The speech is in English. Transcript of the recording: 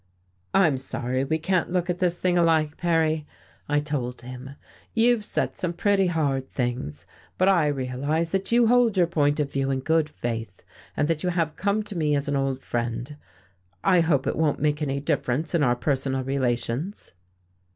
"I'm sorry we can't look at this thing alike, Perry," I told him. "You've said solve pretty hard things, but I realize that you hold your point of view in good faith, and that you have come to me as an old friend. I hope it won't make any difference in our personal relations."